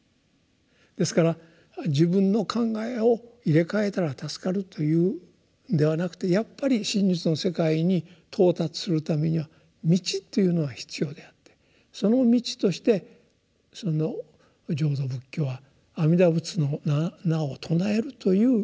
ですから自分の考えを入れ替えたら助かるというんではなくてやっぱり真実の世界に到達するためには道というのが必要であってその道として浄土仏教は阿弥陀仏の名を称えるという道を教えたわけですね。